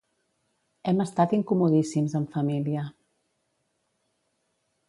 Hem estat incomodíssims en família.